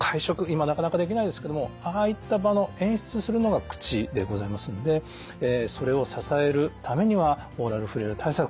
今なかなかできないですけれどもああいった場の演出するのが口でございますのでそれを支えるためにはオーラルフレイル対策